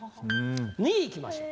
２位いきましょう。